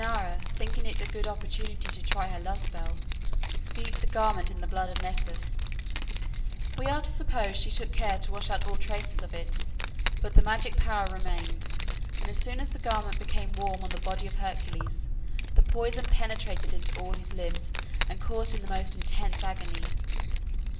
Dejanira, thinking it a good opportunity to try her love spell, steeped the garment in the blood of Nessus. We are to suppose she took care to wash out all traces of it, but the magic power remained, and as soon as the garment became warm on the body of Hercules the poison penetrated into all his limbs and caused him the most intense agony.